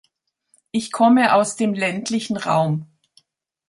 Ich komme aus dem ländlichen Raum.